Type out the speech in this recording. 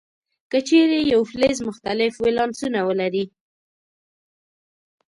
که چیرې یو فلز مختلف ولانسونه ولري.